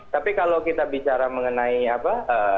tapi kalau kita bicara mengenai apa